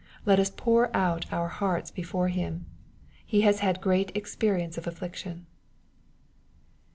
Let us pour out our hearts before Him. He has had great experience of affliction.